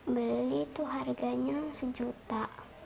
beli tuh harganya sejuta